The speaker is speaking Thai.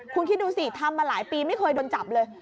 คุณคิดดูสิทำมาหลายปีไม่เคยโดนจับเลย